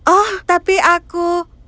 oh tapi aku